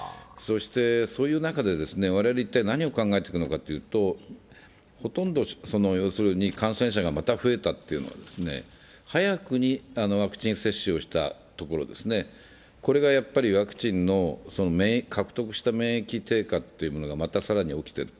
そういう中で我々、一体何を考えていくのかというとほとんど感染者が、また増えたというのは早くにワクチン接種をしたところですね、これがワクチンの獲得した免疫低下というものがまた更に起きている。